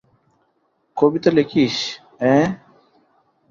কবিতা লিখিস, অ্যাঁ?